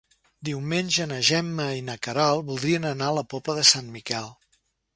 Diumenge na Gemma i na Queralt voldrien anar a la Pobla de Sant Miquel.